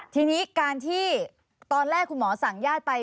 ทีนี้การที่ตอนแรกคุณหมอสั่งญาติไป